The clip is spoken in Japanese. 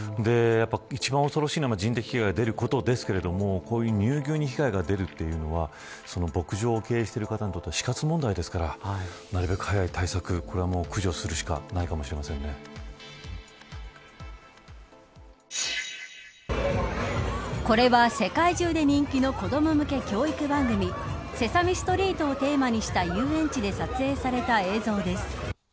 一番、恐ろしいのは人的被害が出ることですが乳牛に被害が出るというのは牧場を経営している方にとっては死活問題ですからなるべく早い対策、これは駆除するしかないかもこれは世界中で人気の子ども向け教育番組セサミストリートをテーマにした遊園地で撮影された映像です。